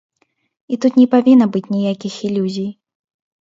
І тут не павінна быць ніякіх ілюзій.